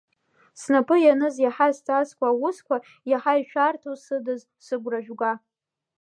Снапы ианыз иаҳа зҵазкуа аусқәа, иаҳа ишәарҭоу сыдыз, сыгәра жәга!